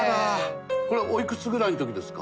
これおいくつぐらいの時ですか？